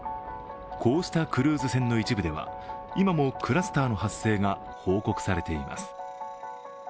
こうしたクルーズ船の一部では今もクラスターの発生が報告されています。